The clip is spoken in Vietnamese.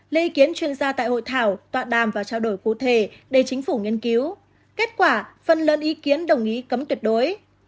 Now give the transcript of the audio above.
lê ý kiến chuyên gia tại hội thảo tọa đàm và trao đổi cụ thể để chính phủ nghiên cứu kết quả phần lớn ý kiến đồng ý cấm tuyệt đối